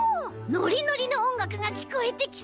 ノリノリのおんがくがきこえてきそう！